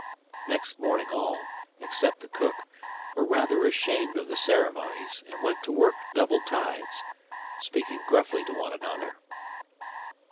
Next morning all, except the cook, were rather ashamed of the ceremonies, and went to work double tides, speaking gruffly to one another.